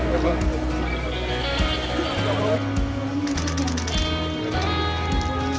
kalau kita melihat secara global